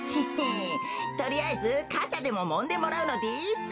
とりあえずかたでももんでもらうのです。